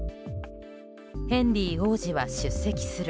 ヘンリー王子は出席する。